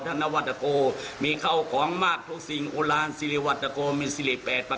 ทหาราวัตตโกมีเข้าของมากทุกสิ่งอุลานสิริวัตตโกมีสิริเฺษประการทองข้อผล